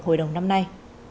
hồi đầu năm nay